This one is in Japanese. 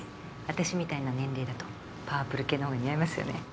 私みたいな年齢だとパープル系の方が似合いますよね？